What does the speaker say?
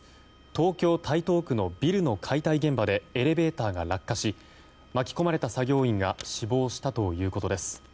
東京・台東区のビルの解体現場でエレベーターが落下し巻き込まれた作業員が死亡したということです。